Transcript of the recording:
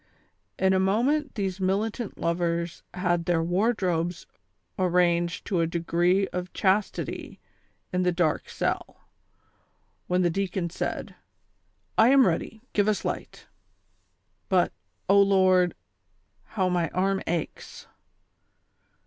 In a moment these militant lovers had their wardrobes arranged to a degree of chastity in the dark cell, when the deacon said :" I am ready, give us light ; but, O Lord, how my arm aches."